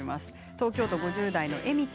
東京都５０代の方。